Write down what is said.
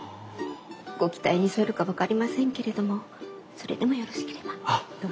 ご期待に添えるか分かりませんけれどもそれでもよろしければどうぞ。